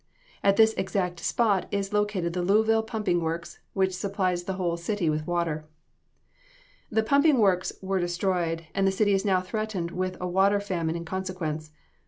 At this exact spot is located the Louisville pumping works, which supplies the whole city with water. "The pumping works were destroyed, and the city is now threatened with a water famine in consequence.